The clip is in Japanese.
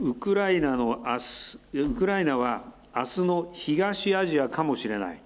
ウクライナはあすの東アジアかもしれない。